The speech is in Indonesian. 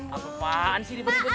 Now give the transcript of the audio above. apaan sih jalan